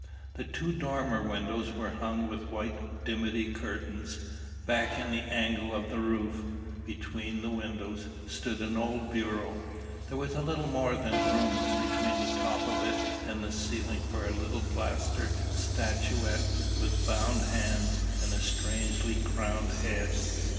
The two dormer windows were hung with white dimity curtains. Back in the angle of the roof, between the windows, stood an old bureau. There was little more than room between the top of it and the ceiling for a little plaster statuette with bound hands and a strangely crowned head.